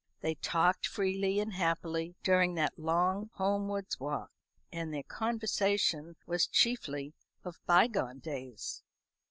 They talked freely and happily during that long homewards walk, and their conversation was chiefly of bygone days.